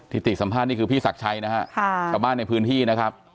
ติสัมภาษณ์นี่คือพี่ศักดิ์ชัยนะฮะชาวบ้านในพื้นที่นะครับ